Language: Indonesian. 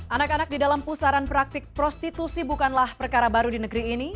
anak anak di dalam pusaran praktik prostitusi bukanlah perkara baru di negeri ini